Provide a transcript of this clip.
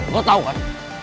lo tau kan